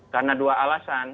karena dua alasan